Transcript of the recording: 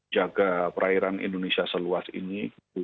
jaga perairan indonesia seluas ini